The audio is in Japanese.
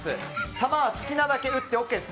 球は好きなだけ撃ってＯＫです。